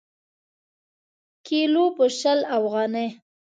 کیلـو په شل افغانۍ.